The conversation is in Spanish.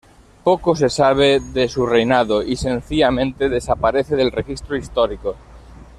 Poco se sabe de su reinado y sencillamente desaparece del registro histórico.